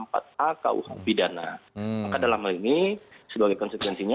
maka dalam hal ini sebagai konsekuensinya